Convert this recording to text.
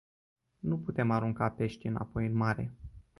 Nu putem arunca peștii înapoi în mare.